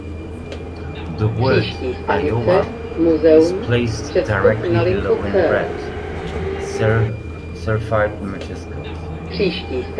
The word "Iowa" is placed directly below it in red, serifed majuscules.